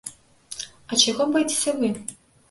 А чаго баіцеся вы?